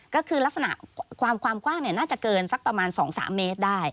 ก็คือลักษณะความกว้างน่าจะเกินสักประมาณ๒๓เมตรได้